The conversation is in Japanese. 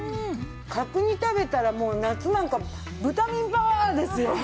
角煮食べたらもう夏なんかブタミンパワー！ですよ。